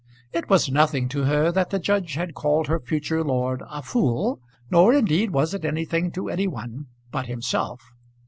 It was nothing to her that the judge had called her future lord a fool; nor indeed was it anything to any one but himself.